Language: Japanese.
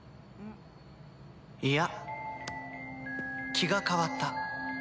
いや気が変わった。